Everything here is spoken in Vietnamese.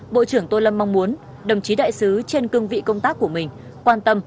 bộ trưởng tô lâm mong muốn đồng chí đại sứ trên cương vị công tác của mình quan tâm